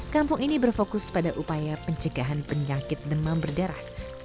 kampung ini berfokus pada upaya pencegahan penyakit demam berdarah